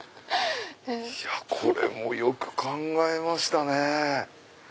これもよく考えましたね。